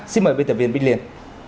xin mời bệnh tử viên vinh liên